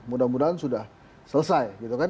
mudah mudahan sudah selesai gitu kan